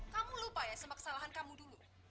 kamu lupa ya semua kesalahan kamu dulu